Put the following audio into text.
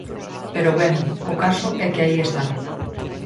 Pero, ben, o caso é que aí están.